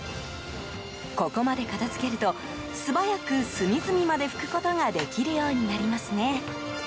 ここまで片付けると素早く隅々まで拭くことができるようになりますね。